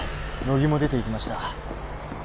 木も出ていきました